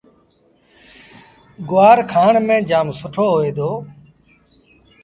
گُوآر کآڻ ميݩ جآم سُٺو هوئي دو۔